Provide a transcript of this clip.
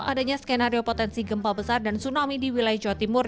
adanya skenario potensi gempa besar dan tsunami di wilayah jawa timur